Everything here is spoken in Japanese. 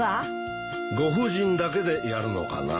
ご婦人だけでやるのかな？